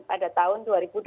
pada tahun dua ribu dua puluh